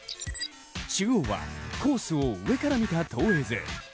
中央はコースを上から見た投影図。